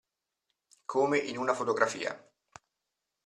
Come in una fotografia.